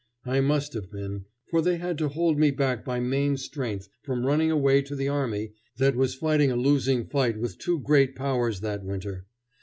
I must have been, for they had to hold me back by main strength from running away to the army that was fighting a losing fight with two Great Powers that winter.